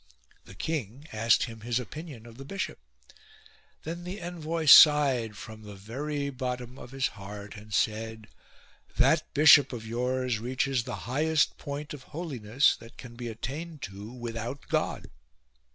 The king asked him his opinion of the bishop. Then the envoy sighed from the very bottom of his heart and said :" That bishop of yours reaches the highest point of holiness that can be attained to without God."